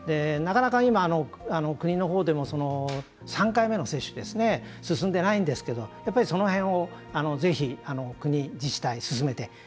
なかなか今、国のほうでも３回目の接種進んでないんですけどやっぱりその辺をぜひ国、自治体進めて。